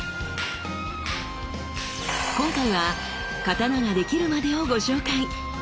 今回は刀ができるまでをご紹介。